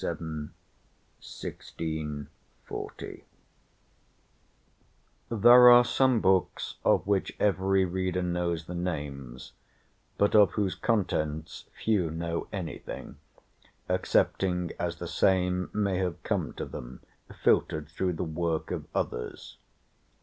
ROBERT BURTON (1577 1640) There are some books of which every reader knows the names, but of whose contents few know anything, excepting as the same may have come to them filtered through the work of others.